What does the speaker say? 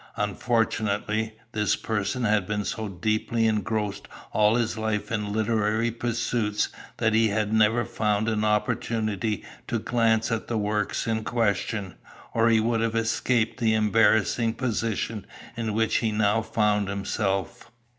Unfortunately, this person had been so deeply engrossed all his life in literary pursuits that he had never found an opportunity to glance at the works in question, or he would have escaped the embarrassing position in which he now found himself.